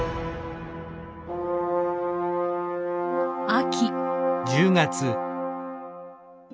秋。